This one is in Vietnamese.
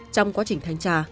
trong quá trình thanh tra